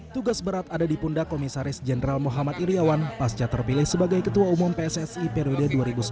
tugas berat ada di pundak komisaris jenderal muhammad iryawan pasca terpilih sebagai ketua umum pssi periode dua ribu sembilan belas dua ribu dua